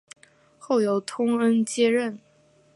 后由通恩接任。